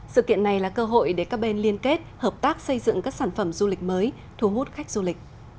sự kiện này là cơ hội để các bên liên kết hợp tác xây dựng các sản phẩm du lịch mới thu hút khách du lịch